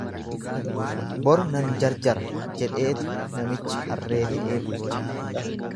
Boru nan jarjara jedheetu namichi harree fe'ee bulche.